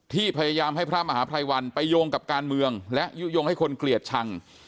ที่พยายามให้พระมหาภัยวันไปโยงกับการเมืองและยุโยงให้คนเกลียดชัง